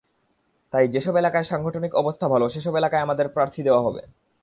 তাই যেসব এলাকায় সাংগঠনিক অবস্থা ভালো, সেসব এলাকায় আমাদের প্রার্থী দেওয়া হবে।